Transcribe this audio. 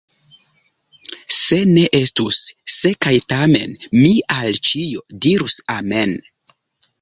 Se ne estus "se" kaj "tamen", mi al ĉio dirus amen.